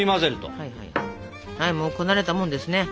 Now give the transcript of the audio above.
はいもうこなれたもんですね。